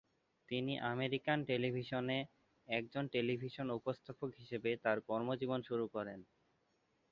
তিনি আমেরিকান টেলিভিশনে একজন টেলিভিশন উপস্থাপক হিসাবে তার কর্মজীবন শুরু করেন।